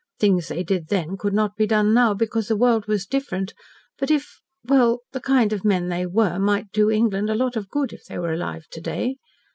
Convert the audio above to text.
Things they did then could not be done now, because the world was different, but if well, the kind of men they were might do England a lot of good if they were alive to day.